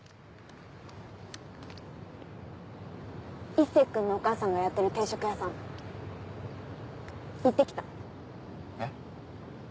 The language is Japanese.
一星君のお母さんがやってる定食屋さん行って来たえっ？